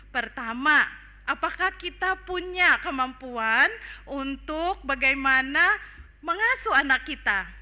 pertama apakah kita punya kemampuan untuk bagaimana mengasuh anak kita